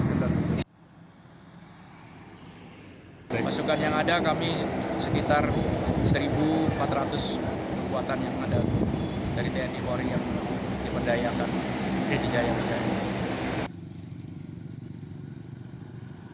masukan yang ada kami sekitar satu empat ratus kekuatan yang ada dari tni polri yang diperdayakan